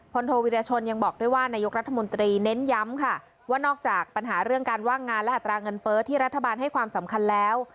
โทวิรชนยังบอกด้วยว่านายกรัฐมนตรีเน้นย้ำค่ะว่านอกจากปัญหาเรื่องการว่างงานและอัตราเงินเฟ้อที่รัฐบาลให้ความสำคัญแล้ว